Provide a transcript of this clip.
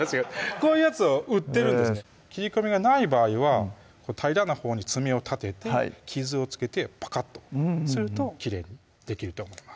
こういうやつを売ってるんです切り込みがない場合は平らなほうに爪を立てて傷をつけてパカッとするときれいにできると思います